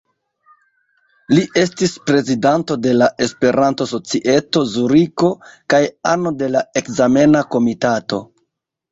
Li estis prezidanto de la Esperanto-Societo Zuriko kaj ano de la ekzamena komitato.